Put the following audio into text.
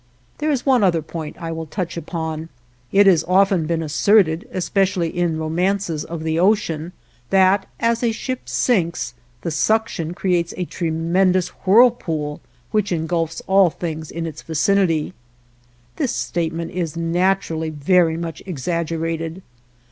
There is one other point I will touch upon; it has often been asserted, especially in romances of the ocean, that as a ship sinks the suction creates a tremendous whirlpool which engulfs all things in its vicinity. This statement is naturally very much exaggerated.